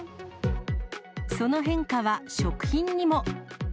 その変化は食品にも。